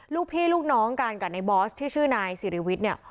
ลูกพี่ลูกน้องกันกับในบอสที่ชื่อนายสิริวิทย์เนี่ย